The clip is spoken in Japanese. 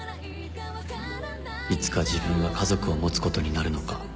いつか自分が家族を持つことになるのか